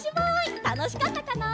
たのしかったかな？